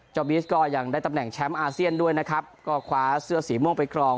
บีสก็ยังได้ตำแหน่งแชมป์อาเซียนด้วยนะครับก็คว้าเสื้อสีม่วงไปครอง